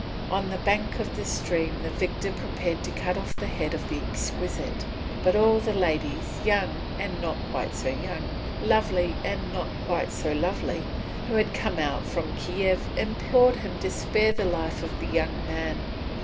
On the banks of the stream the victor prepared to cut off the head of the Exquisite; but all the ladies, young and not quite so young, lovely and not quite so lovely, who had come out from Kiev, implored him to spare the life of the young man.